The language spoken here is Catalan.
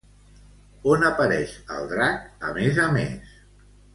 On apareix el drac a més a més?